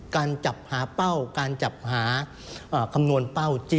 การจับหาเป้าการจับหาคำนวณเป้า